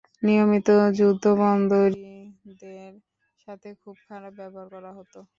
নিয়মিত যুদ্ধবন্দীদের সাথে খুব খারাপ ব্যবহার করা হত।